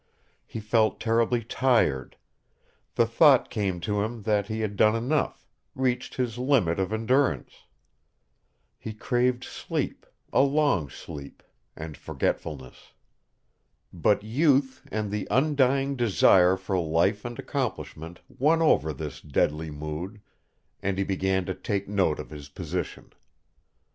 He felt terribly tired. The thought came to him that he had done enough, reached his limit of endurance. He craved sleep, a long sleep, and forgetfulness. But youth and the undying desire for life and accomplishment won over this deadly mood and he began to take note of his position.